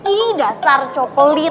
ini dasar coklat